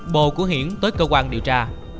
bồ của hiển tới cơ quan điều tra